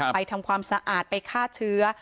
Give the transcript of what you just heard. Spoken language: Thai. ทำความสะอาดไปฆ่าเชื้อ